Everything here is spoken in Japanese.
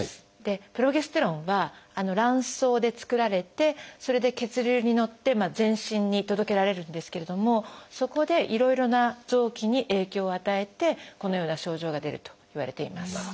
プロゲステロンは卵巣で作られてそれで血流に乗って全身に届けられるんですけれどもそこでいろいろな臓器に影響を与えてこのような症状が出るといわれています。